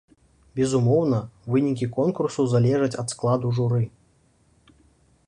Безумоўна, вынікі конкурсу залежаць ад складу журы.